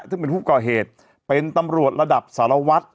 ซึ่งเป็นผู้ก่อเหตุเป็นตำรวจระดับสารวัตร